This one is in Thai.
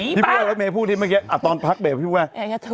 เห้ยพูดอะไรไว้เม้พูดนี้เมื่อกี้ตอนคลักเบบพี่พูดว่า